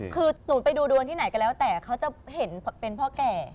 คือหนูไปดูดวงที่ไหนก็แล้วแต่เขาจะเห็นเป็นพ่อแก่